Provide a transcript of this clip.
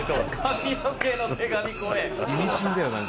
髪の毛の手紙怖え。